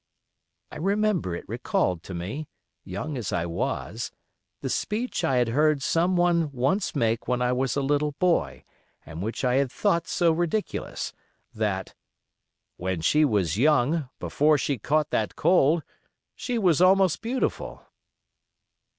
I remember it recalled to me, young as I was, the speech I had heard some one once make when I was a little boy, and which I had thought so ridiculous, that "when she was young, before she caught that cold, she was almost beautiful."